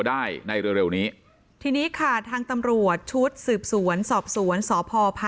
ได้ในเร็วนี้ทีนี้ค่ะทางตำรวจชุดสืบสวนสอบสวนสพพ